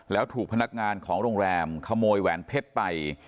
แล้วถูกพนักงานของโรงแรมขโมยแหวนเพชรไป